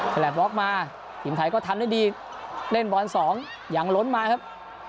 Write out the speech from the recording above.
ขนาดบล็อกมาทีมไทยก็ทำได้ดีเล่นบอลสองอย่างล้นมาครับ